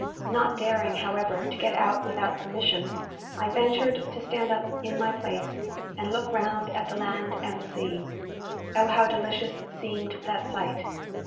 Not daring, however, to get out without permission, I ventured to stand up in my place, and look round at the land and the sea. Oh, how delicious seemed that sight!